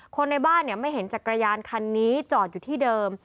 คนในบ้านไม่เห็นจักรยานคันนี้จอดอยู่ที่เดิม